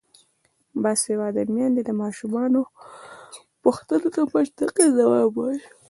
باسواده میندې د ماشومانو پوښتنو ته منطقي ځواب وايي.